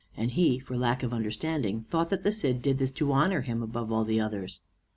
And he, for lack of understanding, thought that the Cid did this to honor him above all the others.